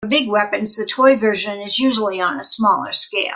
For big weapons, the toy version is usually on a smaller scale.